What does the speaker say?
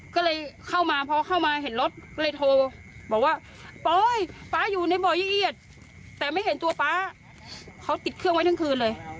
ก็เลยเข้ามาพอเข้ามาเห็นรถก็เลยโทรบอกว่าปอยป๊าอยู่ในบ่ออย่างเอียดแต่ไม่เห็นตัวป๊าเขาติดเครื่องไว้ทั้งคืนเลย